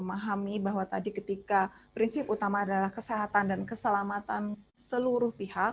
memahami bahwa tadi ketika prinsip utama adalah kesehatan dan keselamatan seluruh pihak